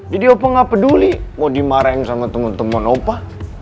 jadi opa gak peduli mau dimarahin sama temen temen opa